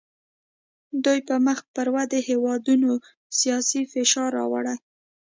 دوی په مخ پر ودې هیوادونو سیاسي فشار راوړي